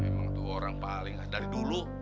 emang tuh orang paling dari dulu